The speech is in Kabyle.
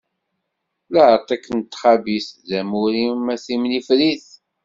Laɛtiq n txabit, d amur-im a timnifrit!